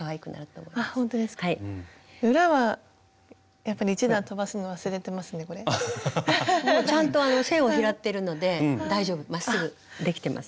もうちゃんと線を拾ってるので大丈夫まっすぐできてます。